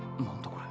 これ。